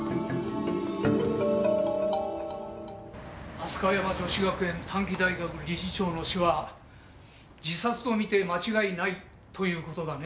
飛鳥山女子学園短期大学理事長の死は自殺と見て間違いないという事だね？